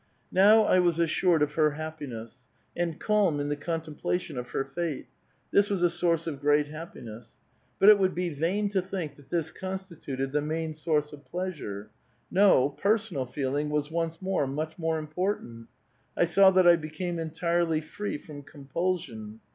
Now I was assured of her happiness, and calm iu the contemplation of her fate : tliis was a source of great happiness. But it would be vain to think that this constituted the main source of pleasure ; no, personal feel ing was once more much more important. I saw that I be came entirely free from compulsion.